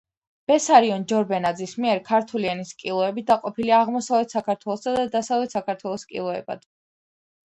ბესარიონ ჯორბენაძის მიერ ქართული ენის კილოები დაყოფილია აღმოსავლეთ საქართველოსა და დასავლეთ საქართველოს კილოებად.